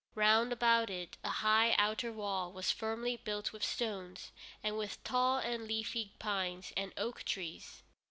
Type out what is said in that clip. Round about it a high outer wall was firmly built with stones, and with tall and leafy pines and oak trees.